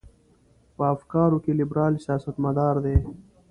په افکارو کې لیبرال سیاستمدار دی.